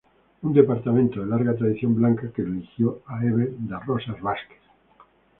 Un departamento de larga tradición blanca, que eligió a Eber da Rosa Vázquez.